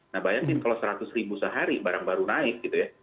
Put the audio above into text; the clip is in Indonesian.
nah bayangin kalau seratus ribu sehari barang baru naik gitu ya